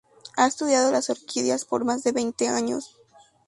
Ha estudiado las orquídeas por más de veinte años.